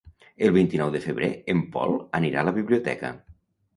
El vint-i-nou de febrer en Pol anirà a la biblioteca.